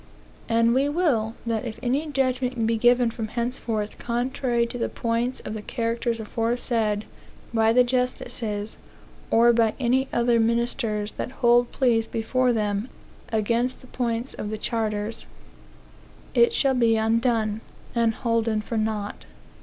"And we will, that if any judgment be given from henceforth, contrary to the points of the charters aforesaid, by the justices, or by any other our ministers that hold plea before them against the points of the charters, it shall be undone, and holden for naught."